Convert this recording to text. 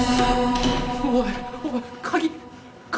おいおい鍵鍵！